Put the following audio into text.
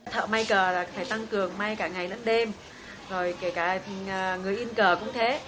thợ may cờ là phải tăng cường may cả ngày lẫn đêm rồi kể cả thì người in cờ cũng thế